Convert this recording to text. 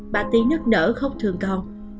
bà tý nức nở khóc thương con